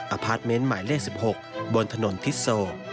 พาร์ทเมนต์หมายเลข๑๖บนถนนทิศโซ